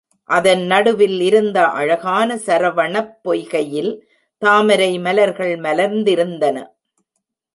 அதன் நடுவில் இருந்த அழகான சரவணப் பொய்கையில் தாமரை மலர்கள் மலர்ந்திருந்தன.